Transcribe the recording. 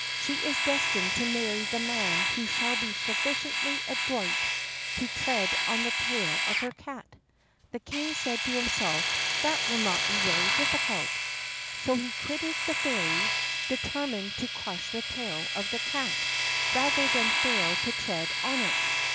She is destined to marry the man who shall be sufficiently adroit to tread on the tail of her cat." The King said to himself, "That will not be very difficult." So he quitted the Fairy, determined to crush the tail of the cat rather than fail to tread on it.